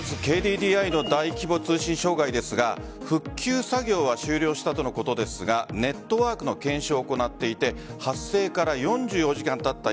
ＫＤＤＩの大規模通信障害ですが復旧作業は終了したとのことですがネットワークの検証を行っていて発生から４４時間たった